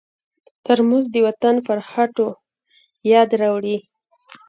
ترموز د وطن پر خټو یاد راوړي.